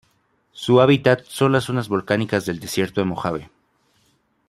Su hábitat son las zonas volcánicas del desierto de Mojave.